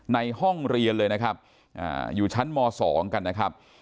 ในห้องเรียนเลยนะครับ